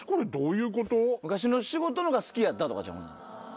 昔の仕事のほうが好きやったとかちゃう？